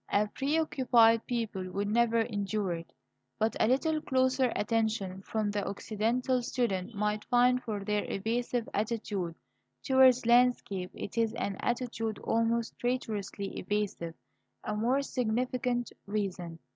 A preoccupied people would never endure it. But a little closer attention from the Occidental student might find for their evasive attitude towards landscape it is an attitude almost traitorously evasive a more significant reason.